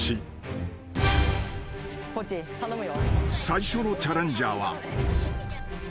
［最初のチャレンジャーは］